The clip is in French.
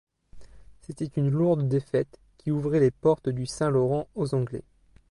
C’était une lourde défaite qui ouvrait les portes du Saint-Laurent aux Anglais.